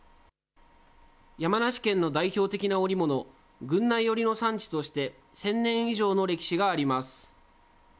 山梨県の代表的な織物、郡内織の産地として、１０００年以上の歴史があります。